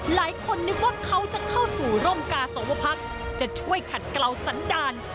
หลายคนนึกว่าเขาจะเข้าสู่ร่มกาสวพักจะช่วยขัดกล่าวสันดาล